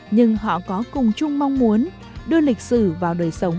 nhưng họ có cùng chung mong muốn đưa lịch sử vào đời sống